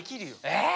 えっ。